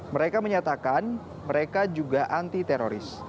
mereka menyatakan mereka juga anti teroris